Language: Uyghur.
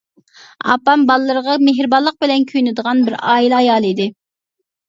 ئاپام بالىلىرىغا مېھرىبانلىق بىلەن كۆيۈنىدىغان بىر ئائىلە ئايالى ئىدى.